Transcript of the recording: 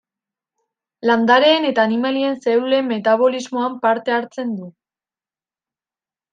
Landareen eta animalien zelulen metabolismoan parte hartzen du.